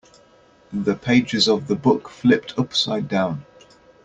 The pages of the book flipped upside down.